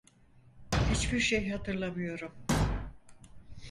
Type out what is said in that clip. Hiçbir şey hatırlayamıyorum.